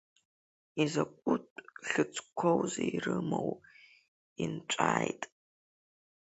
Изакәытә хьыӡқәоузеи ирымоу, инҵәааит!